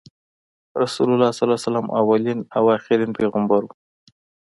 رسول الله ص اولین او اخرین پیغمبر وو۔